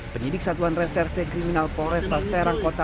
penyidik satuan reserse kriminal polres pas serang kota